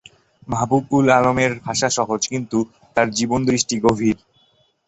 মাহবুব-উল আলমের ভাষা সহজ, কিন্তু তাঁর জীবনদৃষ্টি গভীর।